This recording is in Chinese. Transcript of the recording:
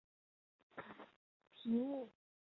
皮姆利科圣加百列堂位于华威广场西南侧。